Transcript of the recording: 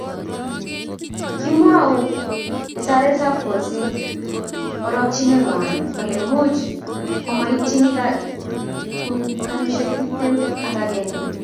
kimwou wisaretab kolset orokineng'wang' kole much komaityi kuniaisiek tiptem ak agenge